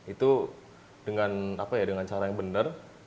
itu dengan cara yang benar